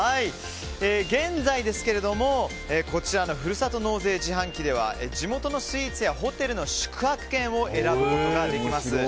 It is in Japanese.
現在、こちらのふるさと納税自販機では地元のスイーツやホテルの宿泊券を選ぶことができます。